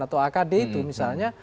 atau akd itu misalnya